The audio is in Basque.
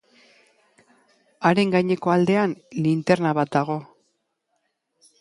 Haren gaineko aldean, linterna bat dago.